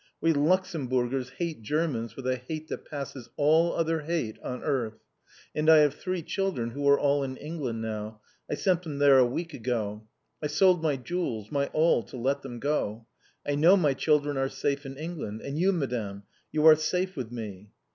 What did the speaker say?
We Luxemburgers hate Germans with a hate that passes all other hate on earth. And I have three children, who are all in England now. I sent them there a week ago. I sold my jewels, my all to let them go. I know my children are safe in England. And you, Madame, you are safe with me!"